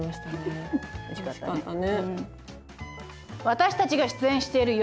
私たちが出演している夜